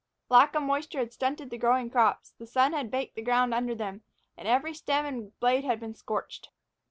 Lack of moisture had stunted the growing crops, the sun had baked the ground under them, and every stem and blade had been scorched.